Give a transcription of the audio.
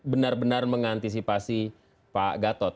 benar benar mengantisipasi pak gatot